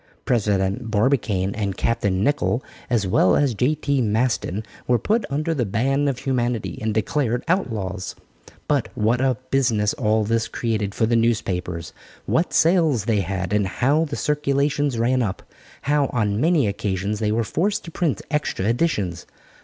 President Barbicane and Captain Nicholl as well as J.T. Maston, were put under the ban of humanity and declared outlaws. But what a business all this created for the newspapers. What sales they had, and how the circulations ran up; how on many occasions they were forced to print extra editions.